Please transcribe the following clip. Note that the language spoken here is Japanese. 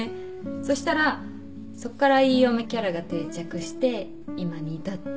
そしたらそっからいい嫁キャラが定着して今に至って。